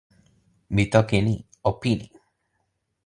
mi toki e ni: o pini.